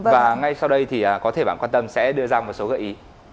và ngay sau đây thì có thể bạn quan tâm sẽ đưa ra một số gợi ý